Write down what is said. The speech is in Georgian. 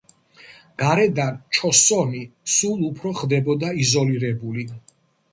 გარედან ჩოსონი სულ უფრო ხდებოდა იზოლირებული.